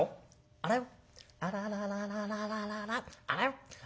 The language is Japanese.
あらよ！』」。